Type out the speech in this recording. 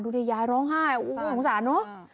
ดิยายร้องไห้โอ้โหสงสารเนอะ